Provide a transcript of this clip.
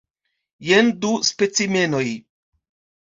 Jen du specimenoj.